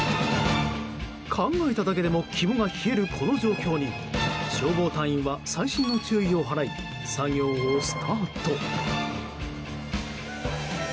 考えただけでも肝が冷えるこの状況に消防隊員は細心の注意を払い作業をスタート。